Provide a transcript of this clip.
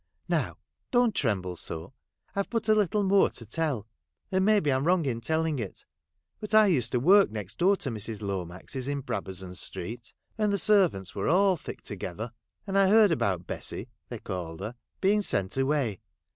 Now, don't tremble so, — I've but a little more to tell, — and maybe I 'm wrong in telling it ; but I used to work next door to Mrs. Lomax's, in Brabazou street, and the servants were all thick together ; and I heard about Bessy (they called her) being sent away.